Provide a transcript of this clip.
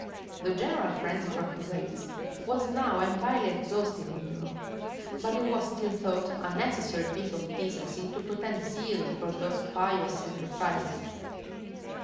The general frenzy for crusades was now entirely exhausted in Europe; but it was still thought a necessary piece of decency to pretend zeal for those pious enterprises.